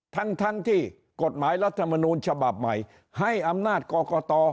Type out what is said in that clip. ทั้งทั้งที่กฎหมายรัฐมนูลฉบับใหม่ให้อำนาจกรกต